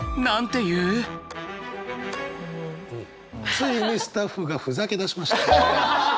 ついにスタッフがふざけだしました。